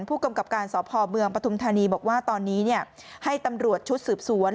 ผู้กำกับการสพเมืองปฐุมธานีบอกว่าตอนนี้ให้ตำรวจชุดสืบสวน